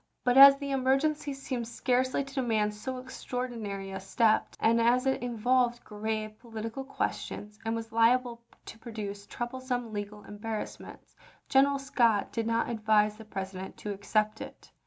But as the emergency seemed scarcely to demand so ex traordinary a step, and as it involved grave politi cal questions and was liable to produce troublesome legal embarrassments, General Scott did not advise the President to accept it.